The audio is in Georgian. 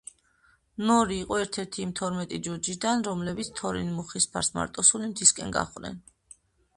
ნორი იყო ერთ-ერთი იმ თორმეტი ჯუჯიდან, რომლებიც თორინ მუხისფარს მარტოსული მთისკენ გაყვნენ.